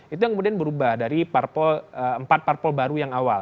itu yang kemudian berubah dari empat parpol baru yang awal